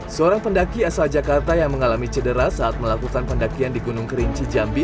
seorang pendaki asal jakarta yang mengalami cedera saat melakukan pendakian di gunung kerinci jambi